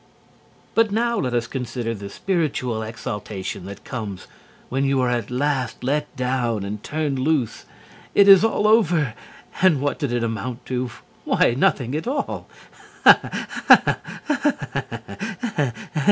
But now let us consider the spiritual exaltation that comes when you are at last let down and turned loose. It is all over, and what did it amount to? Why, nothing at all. A ha ha ha ha ha!